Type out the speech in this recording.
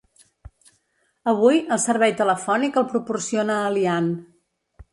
Avui, el servei telefònic el proporciona Aliant.